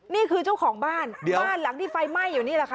นี่คือเจ้าของบ้านบ้านหลังที่ไฟไหม้อยู่นี่แหละค่ะ